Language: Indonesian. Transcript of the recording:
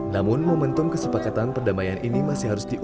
namun momentum kesepakatan perdamaian ini masih harus diperlukan